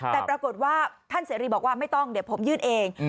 แต่ปรากฏว่าท่านเสรีบอกว่าไม่ต้องเดี๋ยวผมยื่นเอง